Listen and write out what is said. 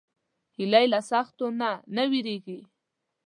هیلۍ له سختیو نه نه وېرېږي